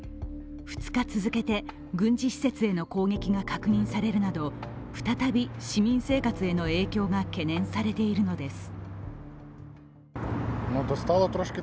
２日続けて軍事施設への攻撃が確認されるなど再び市民生活への影響が懸念されているのです。